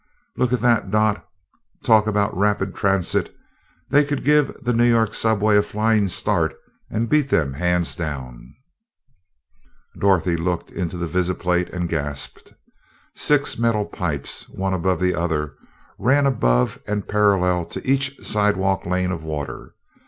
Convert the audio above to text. "Look at that, Dot. Talk about rapid transit! They could give the New York subway a flying start and beat them hands down!" Dorothy looked into the visiplate and gasped. Six metal pipes, one above the other, ran above and parallel to each sidewalk lane of water.